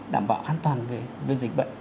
đảm bảo an toàn về dịch bệnh